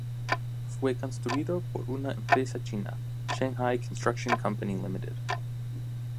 Fue construido por una empresa china, Shanghái Construction Company Limited.